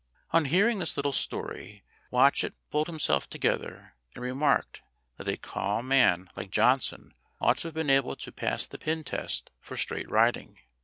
On hearing this little story Watchet pulled himself together and remarked that a calm man like Johnson ought to have been able to pass the pin test for straight riding.